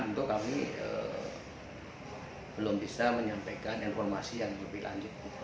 tentu kami belum bisa menyampaikan informasi yang lebih lanjut